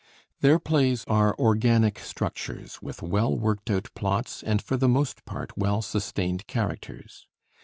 Their plays are organic structures, with well worked out plots and for the most part well sustained characters.